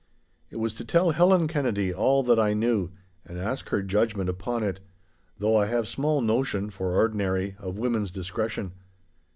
It was to tell Helen Kennedy all that I knew, and ask her judgment upon it—though I have small notion (for ordinary) of women's discretion.